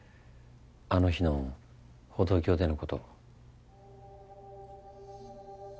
あの日の歩道橋でのこと。